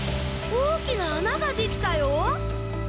大きな穴ができたよ。